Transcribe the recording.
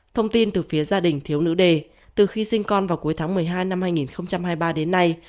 thông tin từ phía gia đình thiếu nữ đề từ khi sinh con vào cuối tháng một mươi hai năm hai nghìn hai mươi ba đến nay